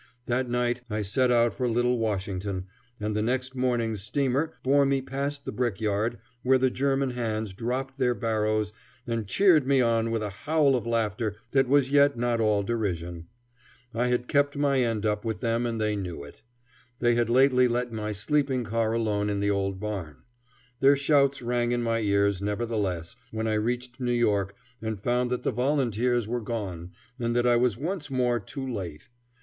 That night I set out for Little Washington, and the next morning's steamer bore me past the brick yard, where the German hands dropped their barrows and cheered me on with a howl of laughter that was yet not all derision. I had kept my end up with them and they knew it. They had lately let my sleeping car alone in the old barn. Their shouts rang in my ears, nevertheless, when I reached New York and found that the volunteers were gone, and that I was once more too late.